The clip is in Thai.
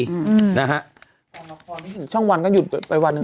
ช่องละครไม่ถึงช่องวันก็หยุดไปวันนึง